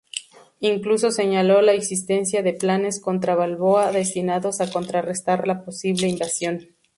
Incluso señaló la existencia de planes "contra-Balboa", destinados a contrarrestar la posible invasión.